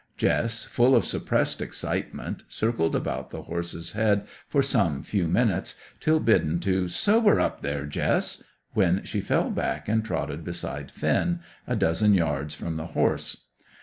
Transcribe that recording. Jess, full of suppressed excitement, circled about the horse's head for some few minutes, till bidden to "Sober up, there, Jess!" when she fell back and trotted beside Finn, a dozen yards from the horse.